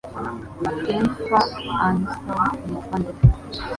Jennifer Anistons yitwa nde?